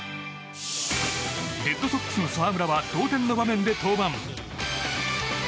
レッドソックスの澤村は同点の場面で登板。